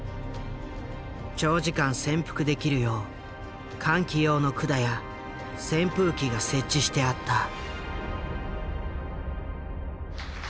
長時間潜伏できるよう換気用の管や扇風機が設置してあった。